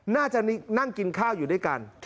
น่าจะน้องกินข้าวอยู่ด้วยกัน